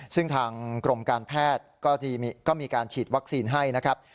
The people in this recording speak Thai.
ซึ่งทางกรมการแพทย์ก็มีการฉีดวัคซีนให้นะครับ